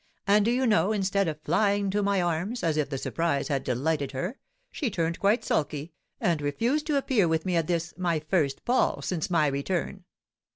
And, do you know, instead of flying to my arms, as if the surprise had delighted her, she turned quite sulky, and refused to appear with me at this, my first ball since my return!